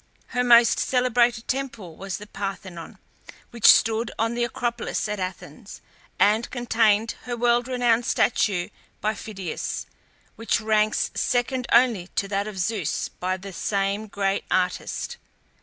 Her most celebrated temple was the Parthenon, which stood on the Acropolis at Athens, and contained her world renowned statue by Phidias, which ranks second only to that of Zeus by the same great artist.